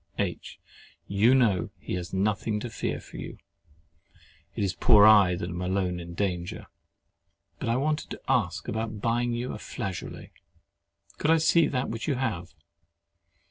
H. You know he has nothing to fear for you—it is poor I that am alone in danger. But I wanted to ask about buying you a flageolet. Could I see that which you have?